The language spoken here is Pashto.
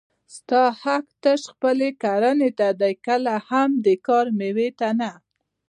ستا حق تش خپل کړنې ته دی کله هم د کار مېوې ته نه